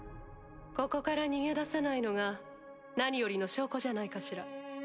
ここから逃げ出さないのが何よりの証拠じゃないかしら。